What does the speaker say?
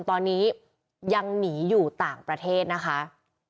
ตอนนี้ยังหนีอยู่ต่างประเทศนะคะ